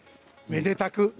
めでたく